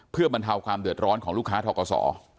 เพื่อบรรเทาความเดือดร้อนของลูกค้าทกศ